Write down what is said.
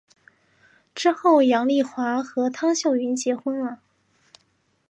之后杨棣华和汤秀云结婚了。